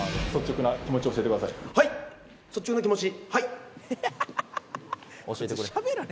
はい、率直な気持ち。